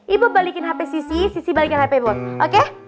ibok balikin hp sisi sisi balikin hp bob oke